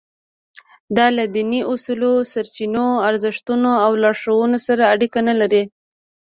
دا له دیني اصولو، سرچینو، ارزښتونو او لارښوونو سره اړیکه نه لري.